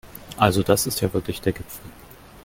Also das ist ja wirklich der Gipfel!